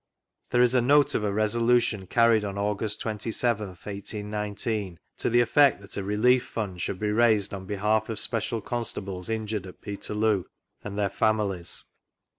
There is a note of a Resolution carried on August 27th, 1819, to the effect that a Relief Fund should be raised oa behalf of Special Constables injured at Peterloo and thw families.